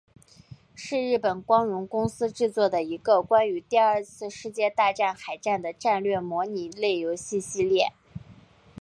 是日本光荣公司制作的一个关于第二次世界大战海战的战略模拟类游戏系列。